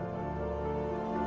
saya tidak tahu